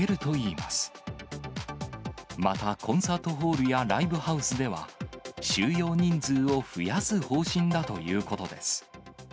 またコンサートホールやライブハウスでは、収容人数を増やす方針だということです。